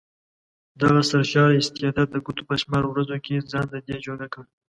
دغه سرشاره استعداد د ګوتو په شمار ورځو کې ځان ددې جوګه کړ.